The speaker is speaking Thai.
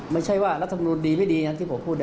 ไม่ใช่ว่ารัฐมนุนดีไม่ดีอย่างที่ผมพูด